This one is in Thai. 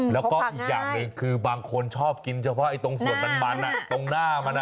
แล้วก็อีกอย่างหนึ่งคือบางคนชอบกินเฉพาะตรงส่วนมันตรงหน้ามัน